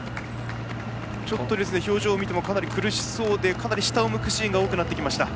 ちょっと、表情を見てもかなり苦しそうでかなり下を向くシーンが多くなってきました。